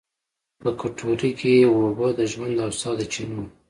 په کټورې کې یې اوبه، د ژوند او سا د چېنو